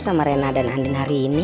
sama rena dan andin hari ini